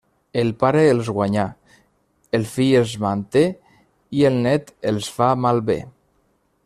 El pare els guanyà, el fill els manté i el nét els fa malbé.